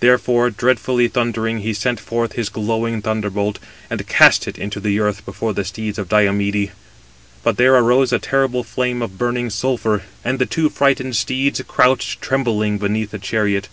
Therefore, dreadfully thundering he sent forth his glowing thunderbolt, and cast it into the earth before the steeds of Diomede: but there arose a terrible flame of burning sulphur, and the two frightened steeds crouched trembling beneath the chariot.